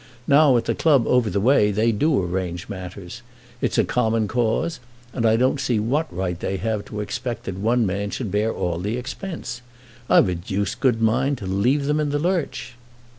Now at the club over the way they do arrange matters. It's a common cause, and I don't see what right they have to expect that one man should bear all the expense. I've a deuced good mind to leave them in the lurch."